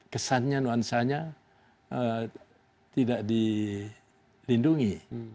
kesannya nuansanya tidak dilindungi